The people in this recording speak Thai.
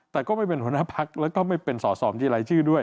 แต่ก็ไม่เป็นหัวหน้าพักแล้วก็ไม่เป็นสอสอบัญชีรายชื่อด้วย